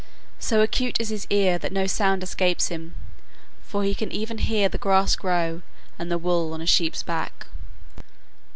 So acute is his ear that no sound escapes him, for he can even hear the grass grow and the wool on a sheep's back.